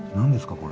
これ。